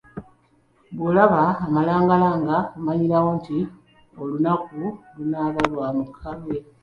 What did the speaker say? Bw'olaba amalangalanga omanyirawo nti olunaku lunaaba lwa mukalwe.